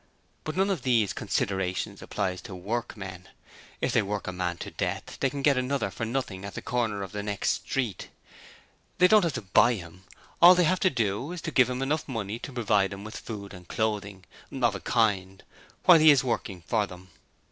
But none of these considerations applies to workmen. If they work a man to death they can get another for nothing at the corner of the next street. They don't have to buy him; all they have to do is to give him enough money to provide him with food and clothing of a kind while he is working for them.